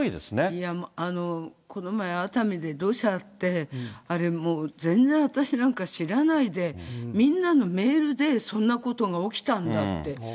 いや、この前、熱海で土砂って、あれもう、全然私なんか知らないで、みんなのメールでそんなことが起きたんだって。